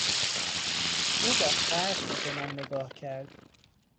او با خشم بهمن نگاه کرد.